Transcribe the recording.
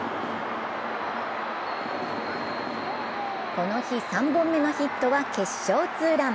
この日３本目のヒットは決勝ツーラン。